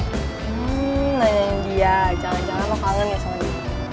hmm nanyain dia jangan jangan lo kangen ya sama dia